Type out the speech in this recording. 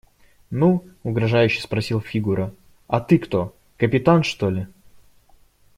– Ну, – угрожающе спросил Фигура, – а ты кто – капитан, что ли?